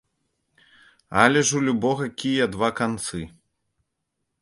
Але ж у любога кія два канцы.